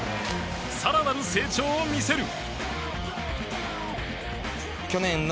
更なる成長を見せる。